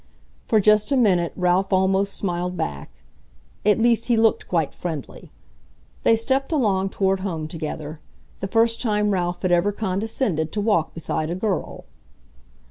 For just a minute Ralph almost smiled back. At least he looked quite friendly. They stepped along toward home together, the first time Ralph had ever condescended to walk beside a girl.